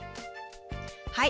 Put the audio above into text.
はい。